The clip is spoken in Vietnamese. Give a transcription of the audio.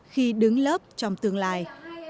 khi đứng lớp trong tương lai